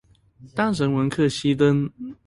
當人文課熄燈